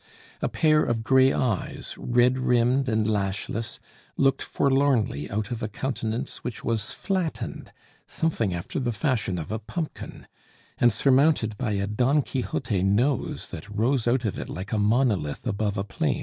A pair of gray eyes, red rimmed and lashless, looked forlornly out of a countenance which was flattened something after the fashion of a pumpkin, and surmounted by a Don Quixote nose that rose out of it like a monolith above a plain.